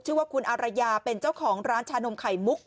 ชื่อว่าคุณอารยาเป็นเจ้าของร้านชานมไข่มุก